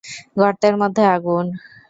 গর্তের মধ্যে আগুন!